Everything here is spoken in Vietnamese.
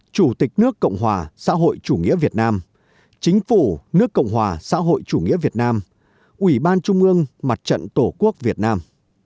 chủ tịch nước cộng hòa xã hội chủ nghĩa việt nam chính phủ nước cộng hòa xã hội chủ nghĩa việt nam ủy ban trung ương mặt trận tổ quốc việt nam